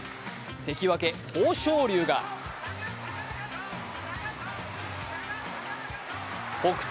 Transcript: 関脇・豊昇龍が北勝